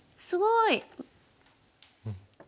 すごい！